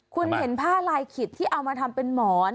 คุณเห็นผ้าลายขิดที่เอามาทำเป็นหมอน